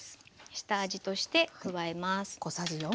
下味として加えます。